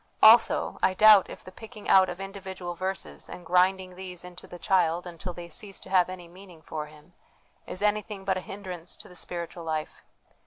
Also, I doubt if the picking out of individual verses, and grinding these into the child until they cease to have any meaning for him, is anything but a hindrance to the spiritual life.